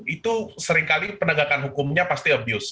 itu seringkali penegakan hukumnya pasti abuse